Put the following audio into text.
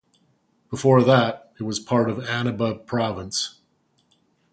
Before that, it was part of Annaba Province.